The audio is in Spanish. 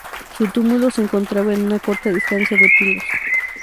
Su túmulo se encontraba a una corta distancia de Pilos.